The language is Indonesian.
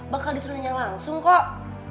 bakal disuruh nanya langsung kok